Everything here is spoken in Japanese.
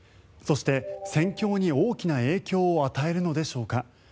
そして戦況に大きな影響を与えるのでしょうか。